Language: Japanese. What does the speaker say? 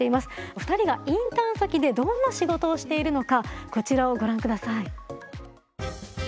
お二人がインターン先でどんな仕事をしているのかこちらをご覧ください。